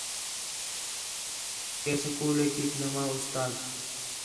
کہ سکولیک ہِک نواں اُستاد